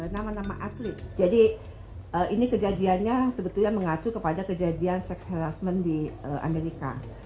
nama nama atlet jadi ini kejadiannya sebetulnya mengacu kepada kejadian sex harassment di amerika